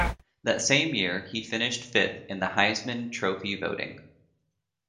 That same year, he finished fifth in the Heisman Trophy voting.